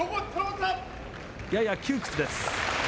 やや窮屈です。